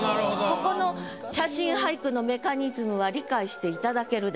ここの写真俳句のメカニズムは理解していただけるでしょうか。